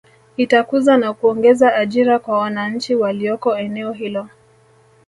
Itakuza na kuongeza ajira kwa wananchi walioko eneo hilo